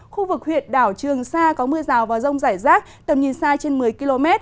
khu vực huyện đảo trường sa có mưa rào và rông rải rác tầm nhìn xa trên một mươi km